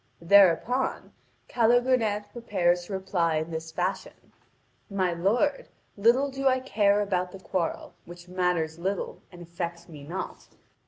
Thereupon Calogrenant prepares to reply in this fashion: "My lord, little do I care about the quarrel, which matters little and affects me not.